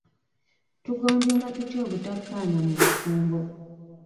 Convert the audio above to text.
Tugonjoola tutya obutakkaanya mu bufumbo?